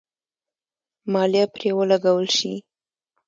مالیه پرې ولګول شي.